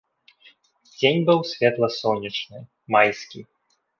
Дзень быў светла-сонечны, майскі.